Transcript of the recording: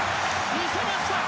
見せました！